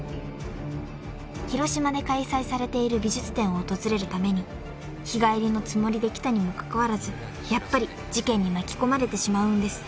［広島で開催されている美術展を訪れるために日帰りのつもりで来たにもかかわらずやっぱり事件に巻き込まれてしまうんです］